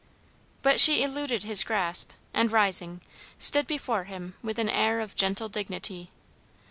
But she eluded his grasp, and rising, stood before him with an air of gentle dignity.